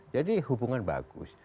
jadi hubungan bagus